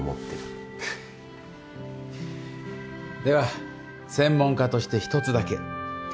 では専門家として１つだけ。